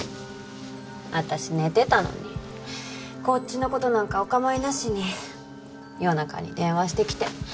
私寝てたのにこっちの事なんかお構いなしに夜中に電話してきて。